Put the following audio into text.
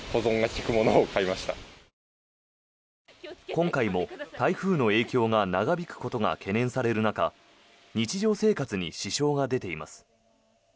今回も台風の影響が長引くことが懸念される中日常生活に支障が出ています。